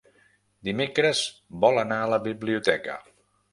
Dimecres vol anar a la biblioteca.